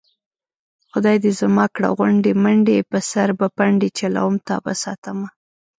خدای دې زما کړه غونډې منډې په سر به پنډې چلوم تابه ساتمه